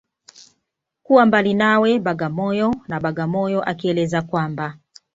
Kuwa mbali nawe Bagamoyo na Bagamoyo akieleza kwamba